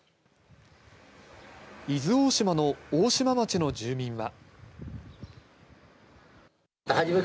伊豆大島の大島町の住民は。